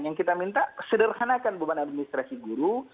yang kita minta sederhanakan beban administrasi guru